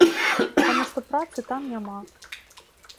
Таму што працы там няма.